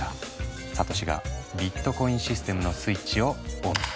サトシがビットコインシステムのスイッチをオン。